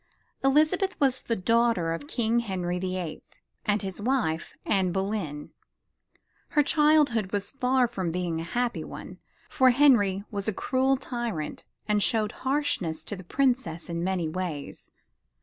Elizabeth was the daughter of King Henry the Eighth, and his wife, Anne Boleyn. Her childhood was far from being a happy one, for Henry was a cruel tyrant and showed harshness to the princess in many ways.